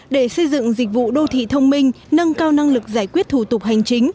để xây dựng dịch vụ đô thị thông minh nâng cao năng lực giải quyết thủ tục hành chính